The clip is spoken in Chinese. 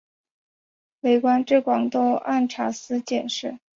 累官至广东按察司佥事。